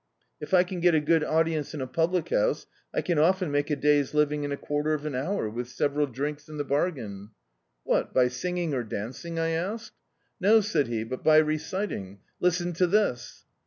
If I can get a good audience in a public house, I can often make a day's living in a quarter of an hour, with several drinks in the bargain." "What, by singing or dancing?" I asked. "No," said he, "but by reciting. Listen to this."